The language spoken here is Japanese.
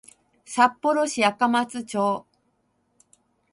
札幌市赤松町